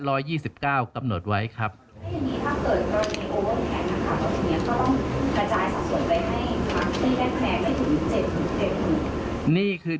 ก็ต้องกระจายสักส่วนไปให้ภาพที่ได้แปลงได้ถึง๗๑๐